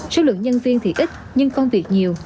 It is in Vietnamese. số lượng nhân viên thì ít nhưng công việc nhiều